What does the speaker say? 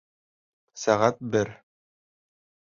Сәғәт бер.